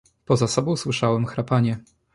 "Poza sobą słyszałem chrapanie."